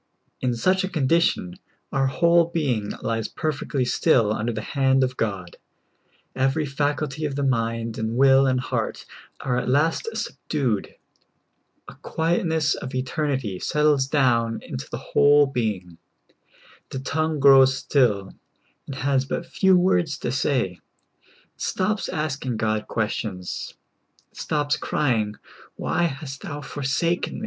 In such a condition, our whole being lies per fectly still under the hand of God ; every faculty of the mind and will and heart are at last subdued ; a quietness of eternity settles down into the v^hole being ; the tongue grows still, and has but few^ words to say ; it stops asking God questions ; it stops crying, *' Why 40 SOUL FOOD. hast thou forsaken me